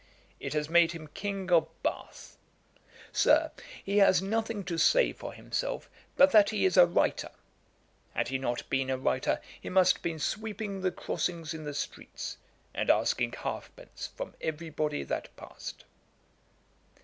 It has made him King of Bath. Sir, he has nothing to say for himself but that he is a writer. Had he not been a writer, he must have been sweeping the crossings in the streets, and asking halfpence from every body that past.' [Page 456: Mr. Derrick. A.D.